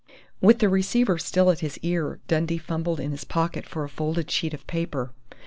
With the receiver still at his ear, Dundee fumbled in his pocket for a folded sheet of paper.